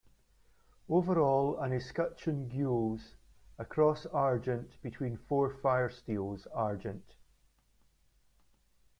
Overall an escutcheon Gules, a cross Argent between four firesteels Argent.